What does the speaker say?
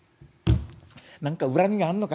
何か恨みがあんのか？